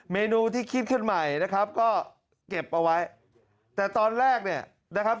เมนูที่คิดขึ้นใหม่นะครับก็เก็บเอาไว้แต่ตอนแรกเนี่ยนะครับ